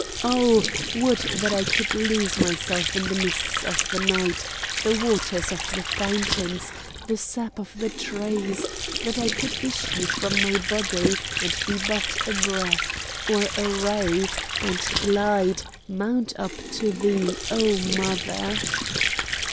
Oh! would that I could lose myself in the mists of the night, the waters of the fountains, the sap of the trees, that I could issue from my body, and be but a breath, or a ray, and glide, mount up to thee, O Mother!"